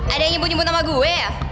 ada yang nyibuk nyibuk sama gue